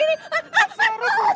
udah buruan pergi dari sini